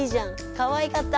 かわいかった！